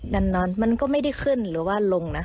นอนมันก็ไม่ได้ขึ้นหรือว่าลงนะ